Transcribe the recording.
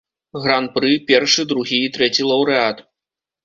Гран-пры, першы, другі і трэці лаўрэат.